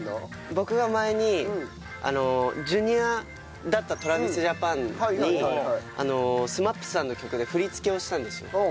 僕が前にＪｒ．だったＴｒａｖｉｓＪａｐａｎにＳＭＡＰさんの曲で振り付けをしたんですよ。